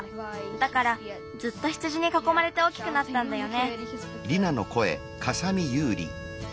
だからずっと羊にかこまれて大きくなったんだよね。